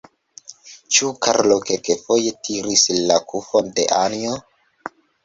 Ĉu Karlo kelkafoje tiris la kufon de Anjo?